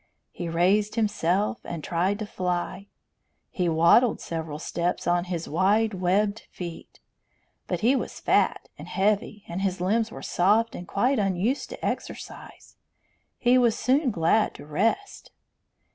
He raised himself and tried to fly; he waddled several steps on his wide webbed feet. But he was fat and heavy, and his limbs were soft and quite unused to exercise; he was soon glad to rest.